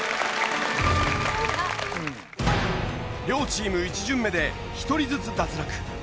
両チーム１巡目で１人ずつ脱落。